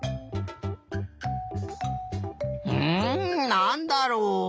なんだろう？